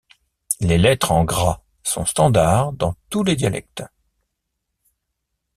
Les lettres en gras sont standards dans tous les dialectes.